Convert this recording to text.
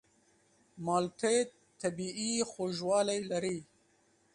مالټې طبیعي خوږوالی لري.